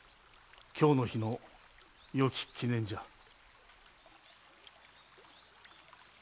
今日の日のよき記念じゃ。